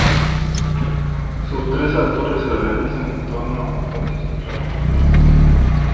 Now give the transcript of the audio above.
Sus tres alturas se organizan en torno a un patio central cubierto.